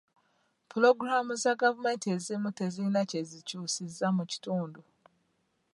Pulogulamu za gavumenti ezimu tezirina kye zikyusizza mu kitundu.